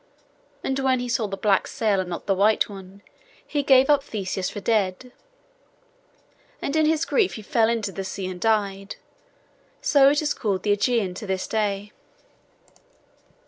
And when he saw the black sail, and not the white one, he gave up Theseus for dead, and in his grief he fell into the sea, and died; so it is called the Ægean to this day.